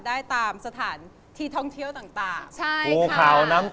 ได้ตามสถานที่ท้องเที่ยวต่าง